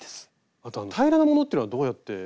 あと平らなものっていうのはどうやって測って？